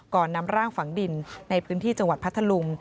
นำร่างฝังดินในพื้นที่จังหวัดพัทธลุง